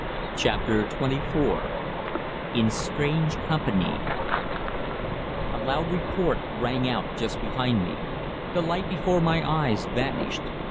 CHAPTER XXIV IN STRANGE COMPANY A load report rang out just behind me. The light before my eyes vanished.